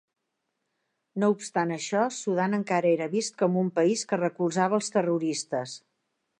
No obstant això, Sudan encara era vist com un país que recolzava als terroristes.